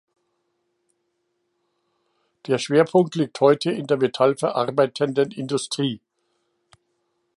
Der Schwerpunkt liegt heute in der metallverarbeitenden Industrie.